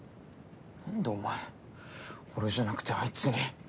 なんでお前俺じゃなくてあいつに。